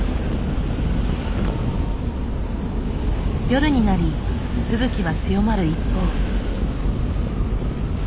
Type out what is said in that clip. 夜になり吹雪は強まる一方。